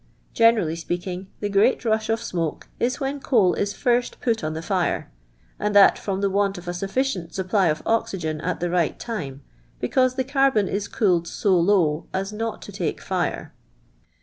Generally speaking, the great rush of smoke is when coal is first put on the fire ; and that from the want of a sufficient supply of oxygen at the right time, because the carbon is cooled so low as not to take fire."